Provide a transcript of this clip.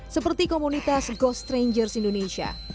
seperti komunitas ghost strangers indonesia